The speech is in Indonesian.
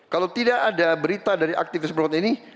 kalau tidak ada berita dari aktivis perempuan ini